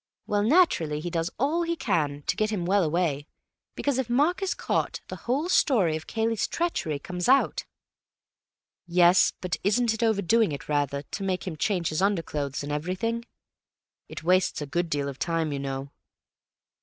Well, naturally, he does all he can to get him well away, because if Mark is caught, the whole story of Cayley's treachery comes out." "Yes. But isn't it overdoing it rather to make him change his underclothes and everything? It wastes a good deal of time, you know."